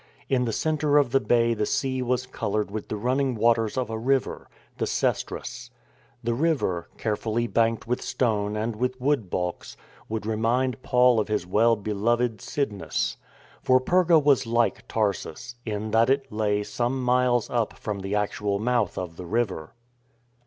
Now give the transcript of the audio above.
In the centre of the bay the sea was coloured with the running waters of a river — the Cestrus. The river, carefully banked with stone and with wood baulks, would remind Paul of his well beloved Cydnus. For Perga was like Tarsus, in that it lay some miles up from the actual mouth of the river.